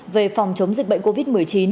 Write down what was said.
về phòng chống dịch bệnh covid một mươi chín